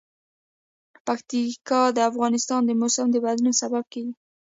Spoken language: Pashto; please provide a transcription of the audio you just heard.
پکتیکا د افغانستان د موسم د بدلون سبب کېږي.